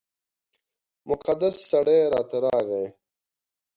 مقدس سړی راته راغی.